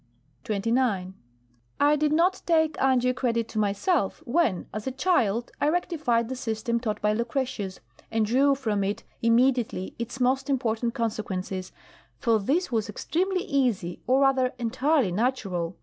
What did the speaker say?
'THE THEORY OF GRAVITATION, 157 X XIX. I did not take undue credit to myself when as a child I rectified the system taught by Lucretius and drew from it immediately its most important consequences, for this was extremely easy or rather entirely natural.